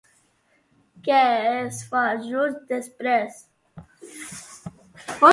Què es fa, just després?